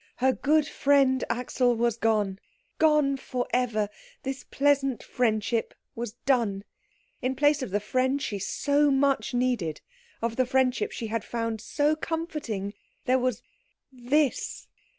Her good friend Axel was gone, gone for ever. The pleasant friendship was done. In place of the friend she so much needed, of the friendship she had found so comforting, there was this.